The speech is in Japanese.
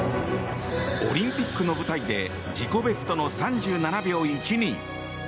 オリンピックの舞台で自己ベストの３７秒１２。